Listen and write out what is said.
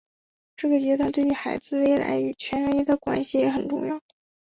这个阶段对于孩子未来与权威的关系也很重要。